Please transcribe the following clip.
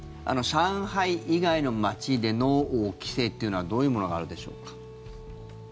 上海以外の街での規制っていうのはどういうものがあるでしょうか。